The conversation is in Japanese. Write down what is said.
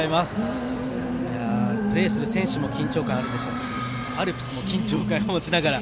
プレーする選手も緊張感あるでしょうしアルプスも緊張感を持ちながら。